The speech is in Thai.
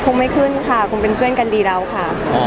ไม่ขึ้นค่ะคงเป็นเพื่อนกันดีแล้วค่ะ